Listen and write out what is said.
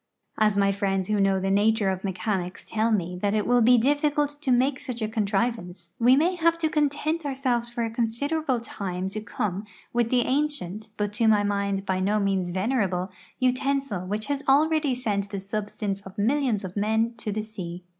As my friends who know tlie nature of meclianics tell me that it will be dillicult to make such a con trivance, we ma^' have to content ourselves for a considerable time to come with the ancient, but to 1113'^ mind by no means venerable, utensil which has alreadv Pent the substance of mil lions of men to the sea.